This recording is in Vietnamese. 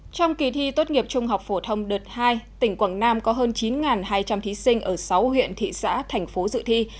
trong kỳ thi tốt nghiệp trung học phổ thông đợt hai tỉnh quảng nam có hơn chín hai trăm linh thí sinh ở sáu huyện thị xã thành phố dự thi